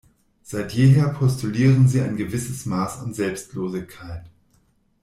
Seit jeher postulieren sie ein gewisses Maß an Selbstlosigkeit.